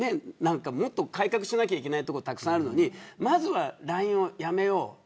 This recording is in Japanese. もっと改革しなきゃいけないところたくさんあるのにまずはラインをやめよう。